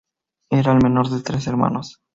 Era el menor de tres hermanos.